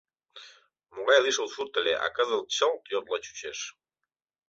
Могай лишыл сурт ыле, а кызыт чылт йотла чучеш.